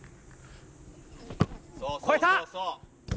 越えた。